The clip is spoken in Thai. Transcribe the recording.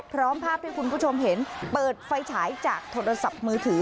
ภาพที่คุณผู้ชมเห็นเปิดไฟฉายจากโทรศัพท์มือถือ